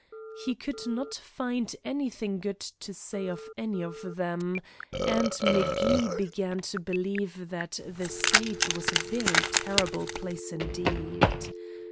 He could not find anything good to say of any of them, and M'Gee began to believe that the stage was a very terrible place indeed.